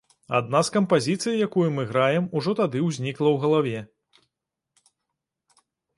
Адна з кампазіцый, якую мы граем, ужо тады ўзнікла ў галаве.